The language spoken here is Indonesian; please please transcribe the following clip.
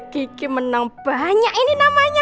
gigi menang banyak ini namanya